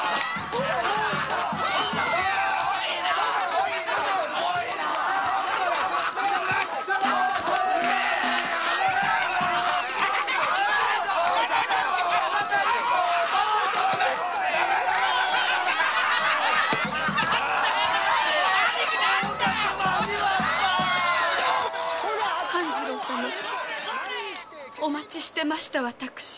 お待ちしてました私。